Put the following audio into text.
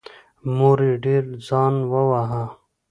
مور یې ډېر ځان وواهه.